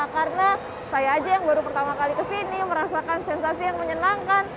karena saya saja yang baru pertama kali ke sini merasakan sensasi yang menyenangkan